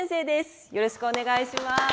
よろしくお願いします。